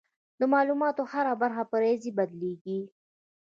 د معلوماتو هره برخه په ریاضي بدلېږي.